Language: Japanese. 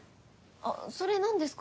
あっそれ何ですか？